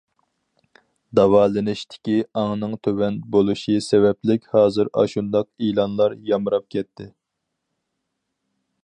داۋالىنىشتىكى ئاڭنىڭ تۆۋەن بولۇشى سەۋەبلىك ھازىر ئاشۇنداق ئېلانلار يامراپ كەتتى.